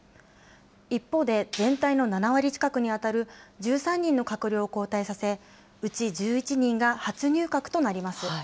一方で、全体の７割近くに当たる１３人の閣僚を交代させ、うち１１人が初入閣となります。